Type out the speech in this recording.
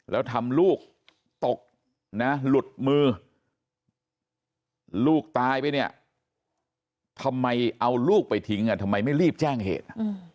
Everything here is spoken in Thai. แล้วทำลูกตกนะหลุดมือลูกตายไปเนี่ยทำไมเอาลูกไปทิ้งทำไมไม่รีบแจ้งเหตุ